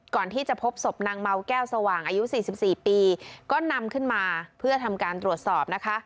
ก่อนที่จะพบศพนางเมาแก้วสว่างอายุ๔๔ปีก็นำขึ้นมาเพื่อทำการตรวจสอบนะคะ